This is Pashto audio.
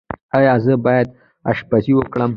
ایا زه باید اشپزي وکړم؟